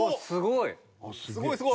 すごいすごい。